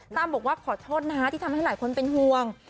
ตั้มบอกว่าขอโทษนะที่ทำให้หลายคนเป็นห่วง